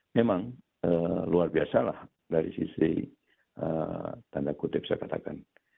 memang luar biasa lah dari sisi tanda kutip saya katakan